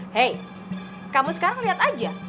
hei kamu sekarang lihat aja